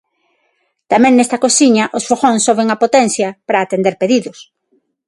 Tamén nesta cociña os fogóns soben a potencia para atender pedidos.